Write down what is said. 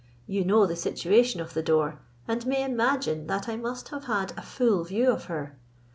You know the situation of the door, and may imagine that I must have had a full view of her.